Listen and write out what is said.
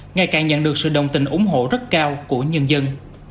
ngày càng nhận được sự đồng tình ủng hộ rất cao của nhân dân